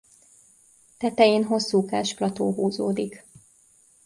Tetején hosszúkás plató húzódik.